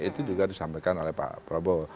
itu juga disampaikan oleh pak prabowo